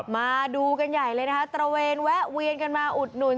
มาดูกันใหญ่เลยนะคะตระเวนแวะเวียนกันมาอุดหนุน